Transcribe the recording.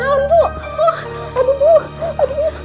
waktu cepat berlalu